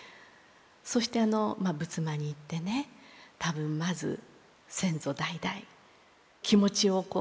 そしてあの仏間に行ってね多分まず先祖代々気持ちをこうまあ受けるわけですよね。